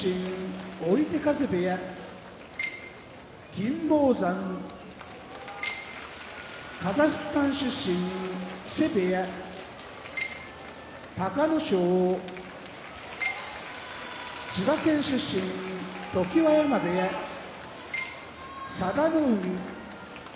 金峰山カザフスタン出身木瀬部屋隆の勝千葉県出身常盤山部屋佐田の海